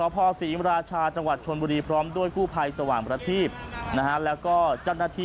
พี่แหลมดึงผ่านเลยพี่